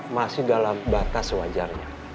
masih dalam batas sewajarnya